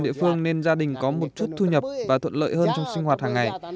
địa phương nên gia đình có một chút thu nhập và thuận lợi hơn trong sinh hoạt hàng ngày